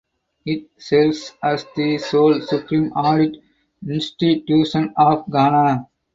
It serves as the sole supreme audit institution of Ghana.